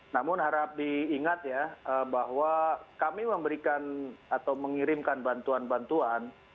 namun harap diingat ya bahwa kami memberikan atau mengirimkan bantuan bantuan